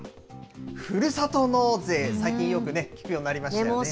ふるさと納税、最近、よく聞くようになりましたね。